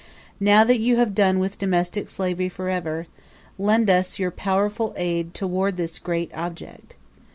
Now that you have done with domestic slavery for ever, lend us your powerful aid toward this great object.